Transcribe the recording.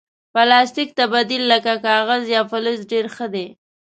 پلاستيک ته بدیل لکه کاغذ یا فلز ډېر ښه دی.